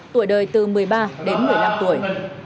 tuổi đời từ một mươi ba đến một mươi năm tuổi